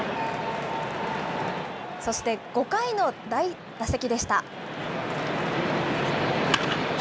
そして、５回の打席でした。